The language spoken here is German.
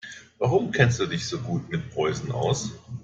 Warum kennst du dich so gut mit Preußen aus?